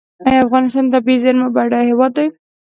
آیا افغانستان د طبیعي زیرمو بډایه هیواد دی؟